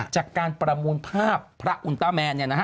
จากการประมูลภาพพระอุลต้าแมนเนี่ยนะฮะ